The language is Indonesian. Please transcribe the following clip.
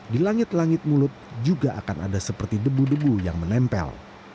di langit langit mulut juga akan ada seperti debu debu yang menempel